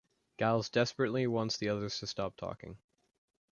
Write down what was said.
Giles desperately wants the others to stop talking.